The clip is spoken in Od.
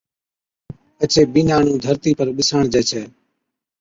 پڇي بِينڏا نُون ڌرتِي پر ٻِساڻجَي ڇَي